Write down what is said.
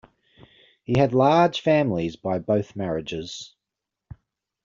He had large families by both marriages.